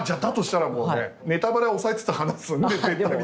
だとしたらもうねネタバレ抑えつつ話すんで。